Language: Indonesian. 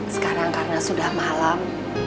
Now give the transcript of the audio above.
sekarang karena sudah malam